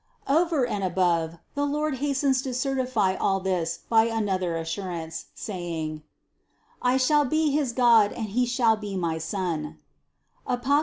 261. Over and above, the Lord hastens to certify all this by another assurance, saying: "I shall be his God and he shall be my son" (Apoc.